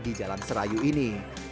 di jalan serayu ini